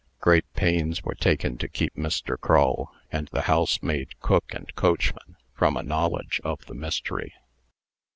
Great pains were taken to keep Mr. Crull, and the housemaid, cook, and coachman, from a knowledge of the mystery.